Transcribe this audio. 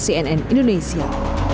tim liputan cnn indonesia